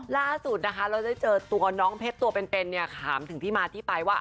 ล่าสุดนะคะเราได้เจอตัวน้องเพชรตัวเป็นเนี่ยถามถึงที่มาที่ไปว่า